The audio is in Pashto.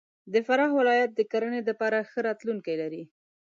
د فراه ولایت د کرهنې دپاره ښه راتلونکی لري.